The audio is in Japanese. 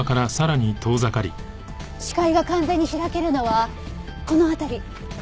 視界が完全に開けるのはこの辺り。